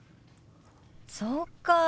そうか。